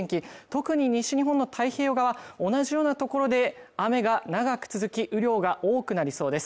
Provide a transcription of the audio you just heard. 特に西日本の太平洋側同じような所で雨が長く続き雨量が多くなりそうです